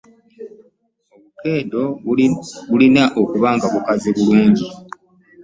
Obukeedo bulina okuba nga bukaze bulungi.